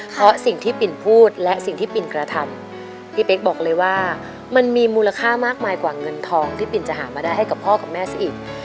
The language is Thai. เพราะสิ่งที่ปินพูดและสิ่งที่ปินกระทำพี่เป๊กบอกเลยว่ามันมีมูลค่ามากมายกว่าเงินทองที่ปินจะหามาได้ให้กับพ่อกับแม่ซะอีก